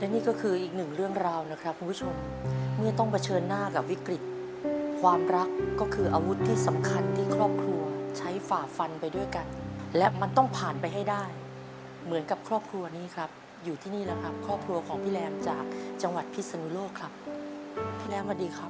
นี่ก็คืออีกหนึ่งเรื่องราวนะครับคุณผู้ชมเมื่อต้องเผชิญหน้ากับวิกฤตความรักก็คืออาวุธที่สำคัญที่ครอบครัวใช้ฝ่าฟันไปด้วยกันและมันต้องผ่านไปให้ได้เหมือนกับครอบครัวนี้ครับอยู่ที่นี่แล้วครับครอบครัวของพี่แรมจากจังหวัดพิศนุโลกครับพี่แรมสวัสดีครับ